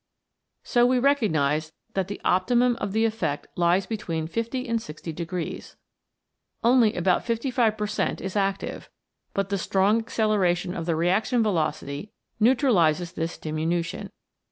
So we recognise that the optimum of the effect lies between 50 and 60 degrees. Only about 55 per cent is active, but the strong acceleration of the reaction velocity neutralises this diminution.